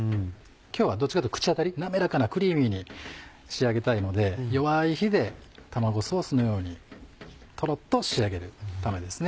今日はどっちかっていうと口当たり滑らかなクリーミーに仕上げたいので弱い火で卵ソースのようにとろっと仕上げるためですね。